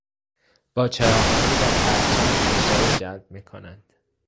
با چراغانی و پرچم مشتری جلب میکنند.